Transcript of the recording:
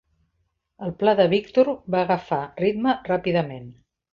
El pla de Victor va agafar ritme ràpidament.